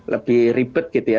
lebih ribet gitu ya